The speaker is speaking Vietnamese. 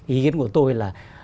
ý kiến của tôi là